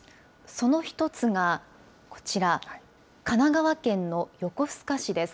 その一つが、こちら、神奈川県の横須賀市です。